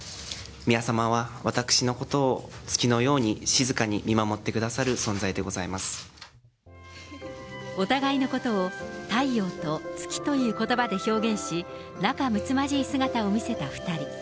宮さまは私のことを月のように静かに見守ってくださる存在でお互いのことを、太陽と月ということばで表現し、仲むつまじい姿を見せた２人。